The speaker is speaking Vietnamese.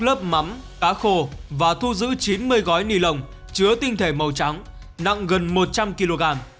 lớp mắm cá khô và thu giữ chín mươi gói ni lông chứa tinh thể màu trắng nặng gần một trăm linh kg